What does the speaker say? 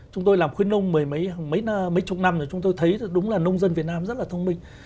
chúng tôi làm khuyến nông mấy chục năm rồi chúng tôi thấy đúng là nông dân việt nam rất là thông minh